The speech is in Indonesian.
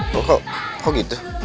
kok kok gitu